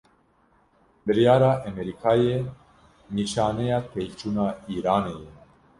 Biryara Emerîkayê, nîşaneya têkçûna Îranê ye